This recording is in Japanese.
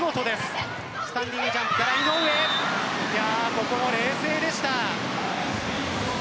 ここも冷静でした。